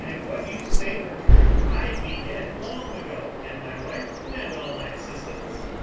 "If what you say were true I'd be dead long ago, and my wife, and all my assistants."